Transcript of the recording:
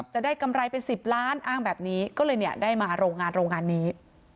จะได้กำไรเป็น๑๐ล้านอ้างแบบนี้ก็เลยได้มาโรงงานนี้